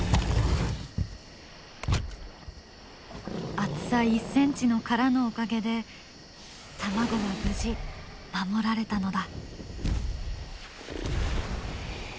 厚さ１ｃｍの殻のおかげで卵は無事守られたのだ。